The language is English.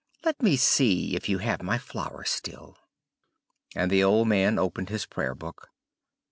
Let me see if you have my flower still?" And the old man opened his Prayer Book.